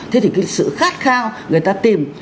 thế thì cái sự khát khao người ta tìm